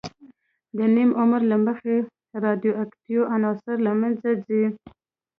د نیم عمر له مخې رادیواکتیو عناصر له منځه ځي.